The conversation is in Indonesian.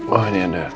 oh ini ada